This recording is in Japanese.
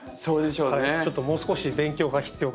ちょっともう少し勉強が必要かなと。